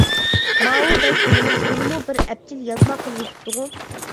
ماۋۇ بەگ ئىنىمىز بۇنىمۇ بىر ئەپچىل يازما قىلىۋېتىپتىغۇ!